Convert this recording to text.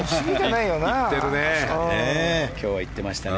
今日は行ってましたね。